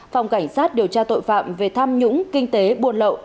phòng cảnh sát điều tra tội phạm về tham nhũng kinh tế buôn lậu